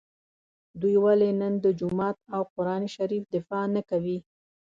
دوی ولي نن د جومات او قران شریف دفاع نکوي